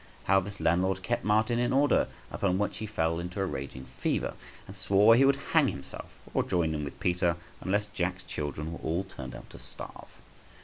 How this landlord kept Martin in order, upon which he fell into a raging fever, and swore he would hang himself or join in with Peter, unless Jack's children were all turned out to starve.